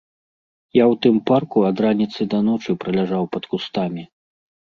Я ў тым парку ад раніцы да ночы праляжаў пад кустамі.